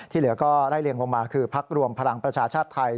เหลือก็ไล่เลี่ยงลงมาคือพักรวมพลังประชาชาติไทย